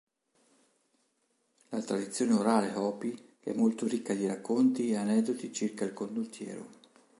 La tradizione orale Hopi è molto ricca di racconti e aneddoti circa il condottiero.